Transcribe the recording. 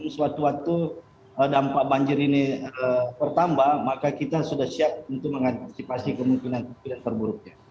suatu waktu dampak banjir ini bertambah maka kita sudah siap untuk mengantisipasi kemungkinan kemungkinan terburuknya